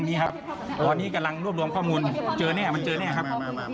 วันนี้กำลังรวบรวมข้อมูลเจอแน่มันเจอแน่ครับ